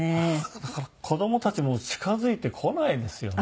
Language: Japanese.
だから子供たちも近づいてこないですよね。